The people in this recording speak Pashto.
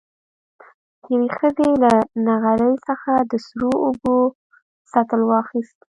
يوې ښځې له نغري څخه د سرو اوبو سطل واخېست.